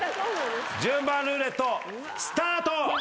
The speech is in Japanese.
順番ルーレットスタート！